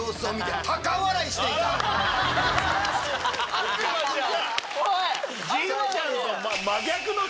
悪魔じゃん！